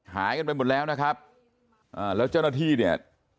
หายกันไปหมดแล้วนะครับแล้วเจ้าหน้าที่